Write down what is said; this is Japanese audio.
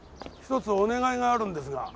一つお願いがあるんですが。